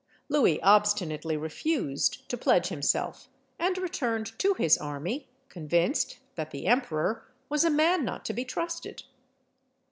Louis obstinately refused to pledge himself, and returned to his army convinced that the emperor was a man not to be trusted.